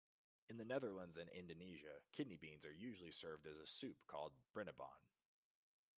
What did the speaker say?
In the Netherlands and Indonesia, kidney beans are usually served as soup called "brenebon".